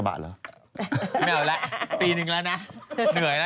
ไม่เอาอะละปีนึงน่ะน่ะ